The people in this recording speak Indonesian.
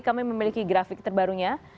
kami memiliki grafik terbarunya